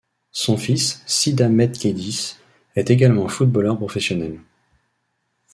Son fils, Sid Ahmed Khedis, est également footballeur professionnel.